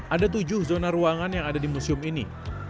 ada tujuh zona ruangan yang ada di museum ini